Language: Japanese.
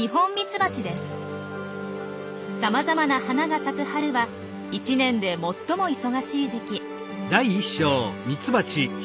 さまざまな花が咲く春は１年で最も忙しい時期。